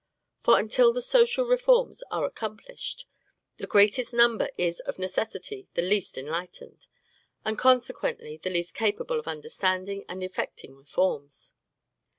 For, until the social reforms are accomplished, the greatest number is of necessity the least enlightened, and consequently the least capable of understanding and effecting reforms.